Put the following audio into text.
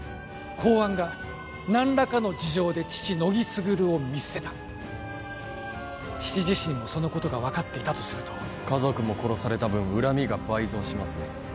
公安が何らかの事情で父・乃木卓を見捨てた父自身もそのことが分かっていたとすると家族も殺された分恨みが倍増しますね